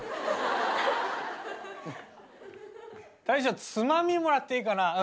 大将つまみもらっていいかな？